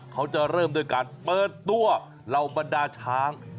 เขาจะเริ่มด้วยการเปิดตัวเหล่าบรรดาช้าง